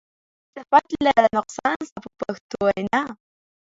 هسې نشته دی صفت لره نقصان ستا په پښتو وینا.